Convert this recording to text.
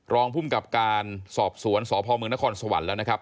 รองภูมิกับการสอบสวนสพมนครสวรรค์แล้วนะครับ